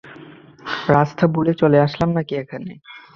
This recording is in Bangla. রাস্তা ভুলে চলে আসলাম নাকি এখানে?